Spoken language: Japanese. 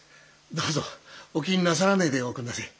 どうぞお気になさらねえでおくんなせえ。